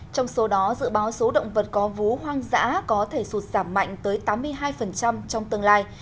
trong số đó dự báo số động vật có vú hoang dã có thể sụt giảm mạnh tới tám mươi hai trong tương lai